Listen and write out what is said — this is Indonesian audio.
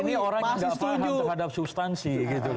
ini orang yang tidak paham terhadap substansi